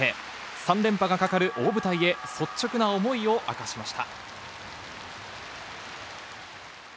３連覇がかかる大舞台へ率直な思いを明かしました。